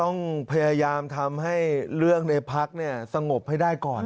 ต้องพยายามทำให้เรื่องในพักสงบให้ได้ก่อน